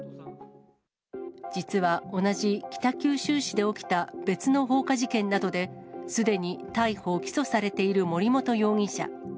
実は同じ北九州市で起きた別の放火事件などで、すでに逮捕・起訴されている森本容疑者。